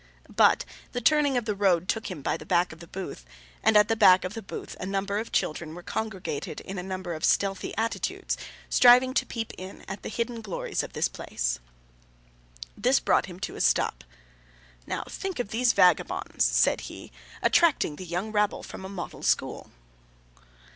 But, the turning of the road took him by the back of the booth, and at the back of the booth a number of children were congregated in a number of stealthy attitudes, striving to peep in at the hidden glories of the place. This brought him to a stop. 'Now, to think of these vagabonds,' said he, 'attracting the young rabble from a model school.